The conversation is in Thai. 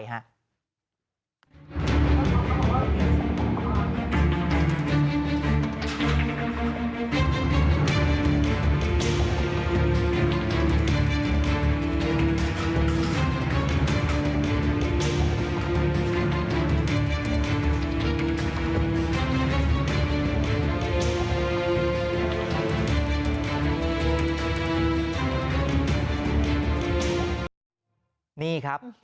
จริงครับ